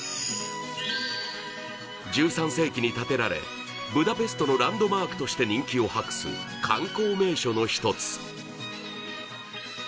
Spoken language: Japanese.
１３世紀に建てられ、ブダペストのランドマークとして人気を博す観光名所の一つ。